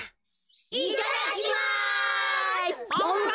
いただきます。